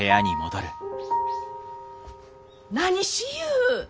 何しゆう？